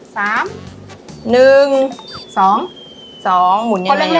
สาม